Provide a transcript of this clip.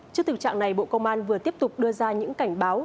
trước thực trạng này bộ công an vừa tiếp tục đưa ra những cảnh báo